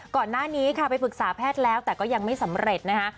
ก่อนหน้านี้ค่ะไปปรึกษาแพทย์แล้วแต่ก็ยังไม่สำเร็จนะคะ